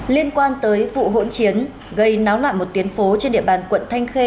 liên quan tới vụ hỗn chiến gây náo loạn một tuyến phố trên địa bàn quận thanh khê